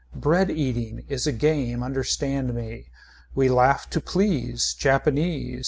Bread eating is a game understand me. We laugh to please. Japanese.